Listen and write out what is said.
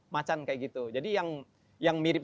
macan seperti itu jadi yang mirip